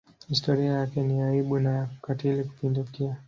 Historia yake ni ya aibu na ya ukatili kupindukia.